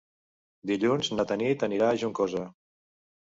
Dilluns na Tanit anirà a Juncosa.